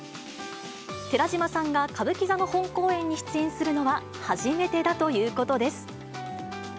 寺島さんが歌舞伎座の本公演に出演するのは初めてだということです。